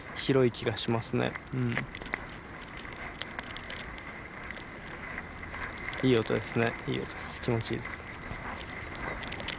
気持ちいいです。